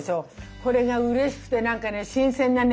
これがうれしくてなんかね新鮮なね